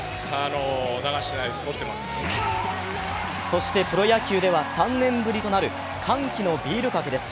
そしてプロ野球では３年ぶりとなる歓喜のビールかけです。